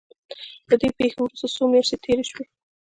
له دې پېښې وروسته څو مياشتې تېرې شوې.